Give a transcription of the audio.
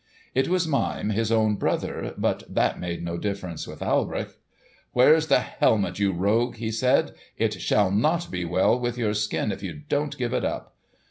It was Mime, his own brother, but that made no difference with Alberich. "Where's the helmet, you rogue?" he said. "It shall not be well with your skin if you don't give it up."